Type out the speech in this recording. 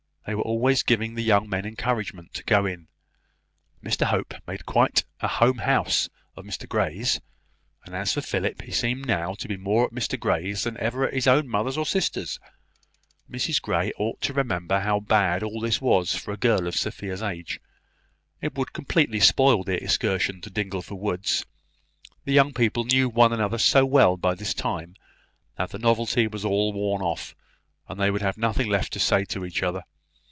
They were always giving the young men encouragement to go in. Mr Hope made quite a home house of Mr Grey's; and as for Philip, he seemed now to be more at Mr Grey's than even at his own mother's or sister's. Mrs Grey ought to remember how bad all this was for a girl of Sophia's age. It would completely spoil the excursion to Dingleford woods. The young people knew one another so well by this time, that the novelty was all worn off, and they would have nothing left to say to each other.